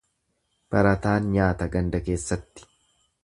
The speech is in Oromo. Barataan nyaata ganda keessatti.